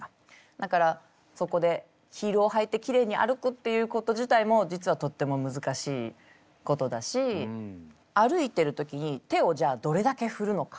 だからそこでヒールを履いてきれいに歩くっていうこと自体も実はとってもむずかしいことだし歩いている時に手をじゃあどれだけ振るのか。